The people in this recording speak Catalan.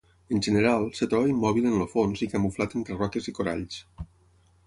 En general, es troba immòbil en el fons i camuflat entre roques i coralls.